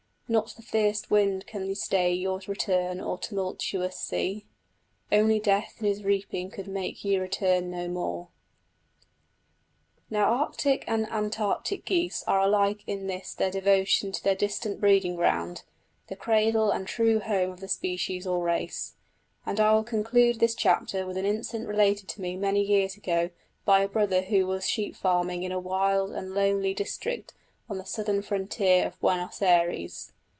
Not the fierce wind can stay your return or tumultuous sea,... Only death in his reaping could make you return no more. Now arctic and antarctic geese are alike in this their devotion to their distant breeding ground, the cradle and true home of the species or race; and I will conclude this chapter with an incident related to me many years ago by a brother who was sheep farming in a wild and lonely district on the southern frontier of Buenos Ayres.